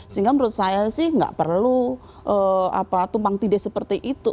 sehingga menurut saya sih nggak perlu tumpang tindih seperti itu